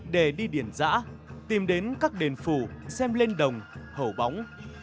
để đi điển giã tìm đến các đền phủ xem lên đồng hậu bóng